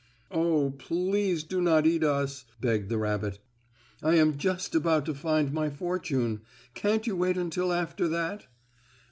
"Oh, please do not eat us!" begged the rabbit. "I am just about to find my fortune; can't you wait until after that?"